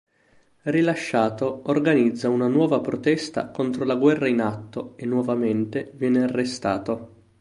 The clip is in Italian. Rilasciato organizza una nuova protesta contro la guerra in atto e nuovamente viene arrestato.